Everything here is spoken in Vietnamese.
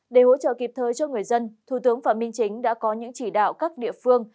để hỗ trợ kịp thời cho người dân thủ tướng phạm minh chính đã có những chỉ đạo các địa phương